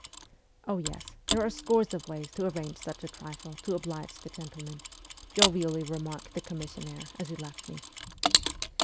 ' Oh yes. There are scores of ways to arrange such a trifle, to oblige the gentleman,' jovially remarked the commissionnaire, as he left me.